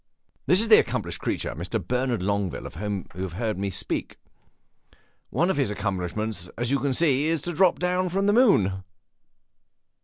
"This is the accomplished creature, Mr. Bernard Longueville, of whom you have heard me speak. One of his accomplishments, as you see, is to drop down from the moon."